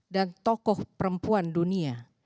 dan tokoh perempuan dunia